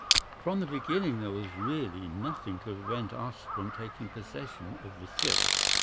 ""From the beginning there was really nothing to prevent us from taking possession of the ship.